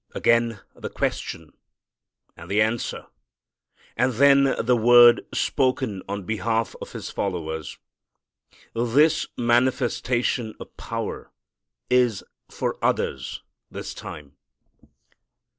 Again the question and the answer, and then the word spoken on behalf of His followers. This manifestation of power is for others this time.